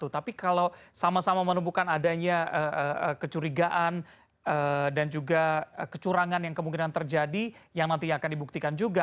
tapi kalau sama sama menemukan adanya kecurigaan dan juga kecurangan yang kemungkinan terjadi yang nantinya akan dibuktikan juga